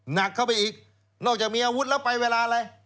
หนักเข้าไปอีกนอกจากมีอาวุธแล้วไปเวลาอะไร